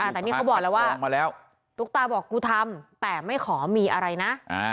แต่นี่เขาบอกแล้วว่าตุ๊กตาบอกกูทำแต่ไม่ขอมีอะไรนะ